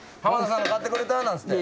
「浜田さんが買ってくれた」